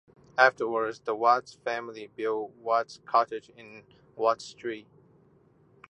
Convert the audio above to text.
Afterwards, the Watts family built Watts Cottage in Watt Street.